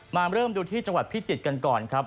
มาเริ่มดูที่จังหวัดพิจิตรกันก่อนครับ